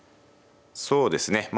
そうですね